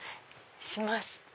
します。